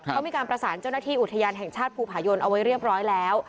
เขามีการประสานเจ้าหน้าที่อุทยานแห่งชาติภูผายนเอาไว้เรียบร้อยแล้ว